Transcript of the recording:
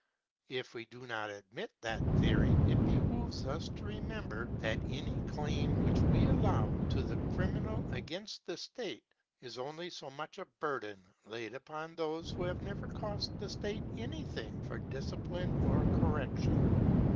If we do not admit that theory, it behooves us to remember that any claim which we allow to the criminal against the "State" is only so much burden laid upon those who have never cost the State anything for discipline or correction.